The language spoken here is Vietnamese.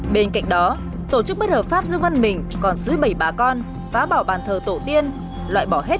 bên cạnh đó tổ chức bất hợp pháp dương văn mình còn suý bảy bà con phá bỏ bàn thờ tổ tiên loại bỏ hết